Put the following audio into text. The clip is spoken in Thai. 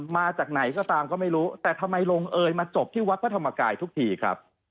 มาจากไหนก็ตามก็ไม่รู้แต่ทำไมลงเอยมาจบที่วัดพระธรรมกายทุกทีครับ